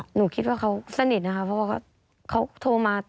หนูคิดว่าเขาสนิทนะคะเพราะว่าเขาโทรมา